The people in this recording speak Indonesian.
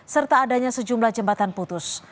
serta adanya sejumlah jembatan putus